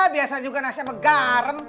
biasa juga nasi sama garam